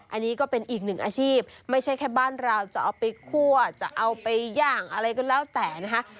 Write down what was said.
อันนี้ก็เป็นอีกหนึ่งอาชีพไม่ใช่แค่บ้านเราจะเอาไปคั่วจะเอาไปย่างอะไรก็แล้วแต่นะคะ